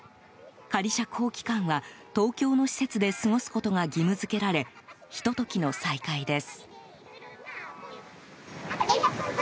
仮釈放期間は、東京の施設で過ごすことが義務付けられひと時の再会です。